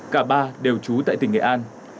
cả ba đều trú tại tỉnh nghệ an